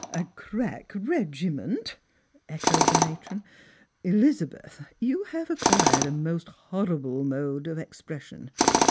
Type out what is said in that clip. " A crack regiment !" echoed the matron. "Elizabeth, yon have acquired a most horrible mode of expression.